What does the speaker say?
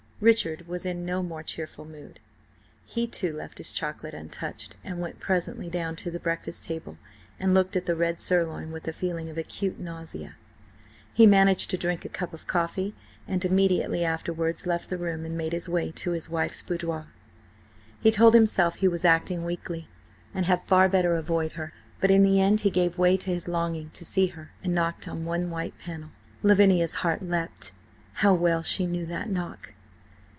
Richard was in a no more cheerful mood. He, too, left his chocolate untouched, and went presently down to the breakfast table and looked at the red sirloin with a feeling of acute nausea. He managed to drink a cup of coffee, and immediately afterwards left the room and made his way to his wife's boudoir. He told himself he was acting weakly, and had far better avoid her, but in the end he gave way to his longing to see her, and knocked on one white panel. Lavinia's heart leapt. How well she knew that knock!